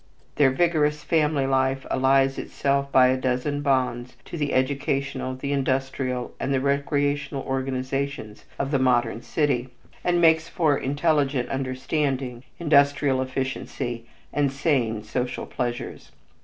Their vigorous family life allies itself by a dozen bonds to the educational, the industrial and the recreational organizations of the modern city, and makes for intelligent understanding, industrial efficiency and sane social pleasures.